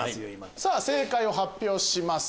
正解を発表します。